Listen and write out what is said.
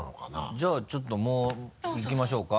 じゃあちょっともういきましょうか？